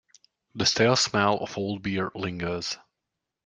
The stale smell of old beer lingers.